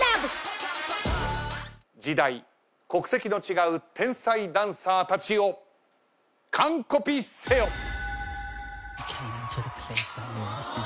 時代国籍の違う天才ダンサーたちをカンコピせよ。